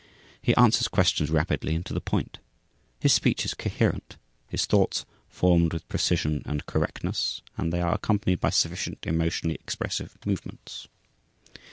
He answers questions rapidly and to the point. His speech is coherent, his thoughts formed with precision and correctness and they are accompanied by sufficient emotionally expressive movements.